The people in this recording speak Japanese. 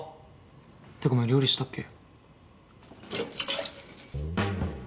てかお前料理したっけ？